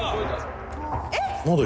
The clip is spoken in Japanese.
「えっ！